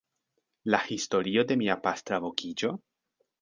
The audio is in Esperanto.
La historio de mia pastra vokiĝo?